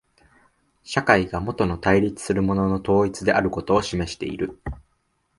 社会がもと対立するものの統一であることを示している。